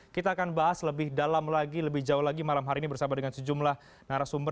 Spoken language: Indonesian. kita akan bahas lebih dalam lagi lebih jauh lagi malam hari ini bersama dengan sejumlah narasumber